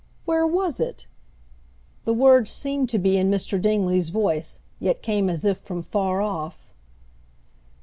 "Where was it?" The words seemed to be in Mr. Dingley's voice, yet came as if from, far off.